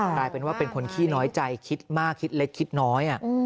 กลายเป็นว่าเป็นคนขี้น้อยใจคิดมากคิดเล็กคิดน้อย